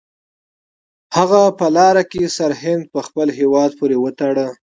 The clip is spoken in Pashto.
هغه په لاره کې سرهند په خپل هیواد پورې وتاړه.